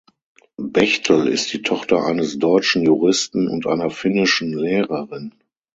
Bechtel ist die Tochter eines deutschen Juristen und einer finnischen Lehrerin.